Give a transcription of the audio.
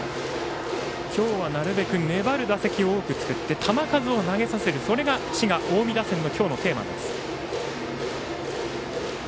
今日はなるべく粘る打席を多く作って球数を投げさせるのが滋賀・近江打線の今日のテーマです。